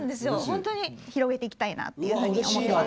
本当に広めていきたいなっていうふうに思ってます。